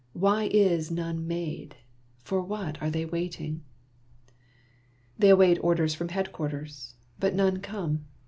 Why is none made ? For what are they waiting ? lo Monday Tales, They await orders from headquarters, but none come.